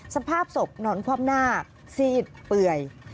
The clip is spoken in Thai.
สภาพศพหนอนความนาคซีดเปื่อย